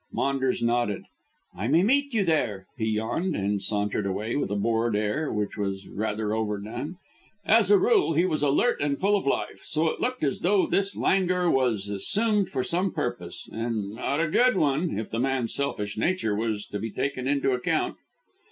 Maunders nodded. "I may meet you there," he yawned, and sauntered away with a bored air, which was rather overdone. As a rule he was alert and full of life, so it looked as though this languor was assumed for some purpose, and not a good one, if the man's selfish nature was to be taken into account.